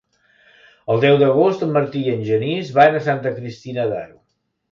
El deu d'agost en Martí i en Genís van a Santa Cristina d'Aro.